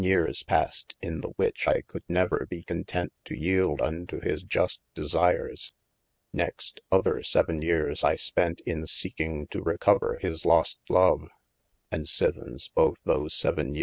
yeares passed in the which I could never be content to yeld unto his just desires : next other vii. yeares I spent in seeking to recover his lost love : and sithens both those vii.